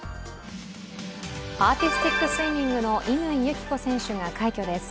アーティスティックスイミングの乾友紀子選手が快挙です。